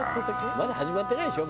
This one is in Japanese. まだ始まってないでしょ？